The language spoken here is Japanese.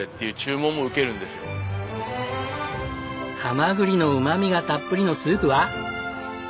ハマグリのうまみがたっぷりのスープは。